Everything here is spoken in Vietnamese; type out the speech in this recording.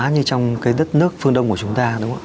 như trong cái đất nước phương đông của chúng ta